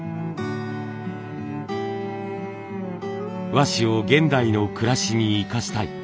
和紙を現代の暮らしに生かしたい。